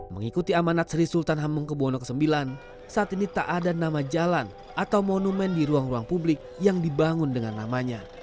mengikuti amanat sri sultan hamengkebuwono ix saat ini tak ada nama jalan atau monumen di ruang ruang publik yang dibangun dengan namanya